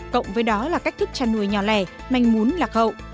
cộng với đó là cách thức chăn nuôi nhỏ lẻ manh mún lạc hậu